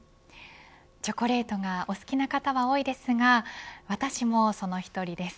チョコレートがお好きな方は多いですが私もその１人です。